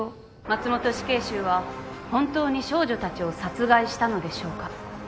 松本死刑囚は本当に少女たちを殺害したのでしょうか。